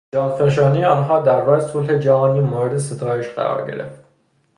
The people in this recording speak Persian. جانفشانی آنها در راه صلح جهانی مورد ستایش قرار گرفت.